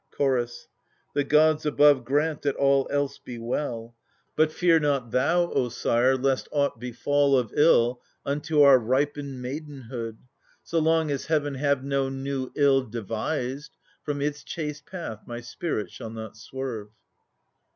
\ Vr Chorus. The gods abbve grant that all else be well. But fear not thou, O sire, lest aught befall Of ill unto our ripened maidenhood. So long as Heaven have no new ill devised, From its chaste path my spirit shall not swerve.